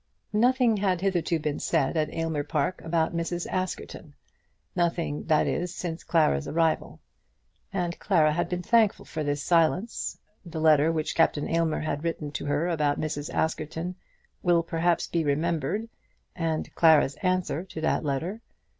Nothing had hitherto been said at Aylmer Park about Mrs. Askerton, nothing, that is, since Clara's arrival. And Clara had been thankful for this silence. The letter which Captain Aylmer had written to her about Mrs. Askerton will perhaps be remembered, and Clara's answer to that letter.